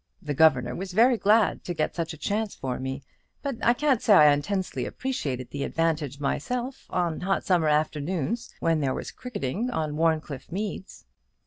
The governor was very glad to get such a chance for me; but I can't say I intensely appreciated the advantage myself, on hot summer afternoons, when there was cricketing on Warncliffe meads."